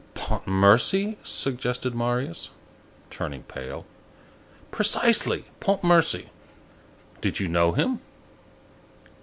"Pontmercy," suggested Marius, turning pale. "Precisely, Pontmercy. Did you know him?"